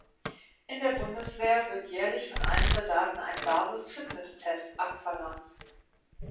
In der Bundeswehr wird jährlich von allen Soldaten ein Basis-Fitness-Test abverlangt.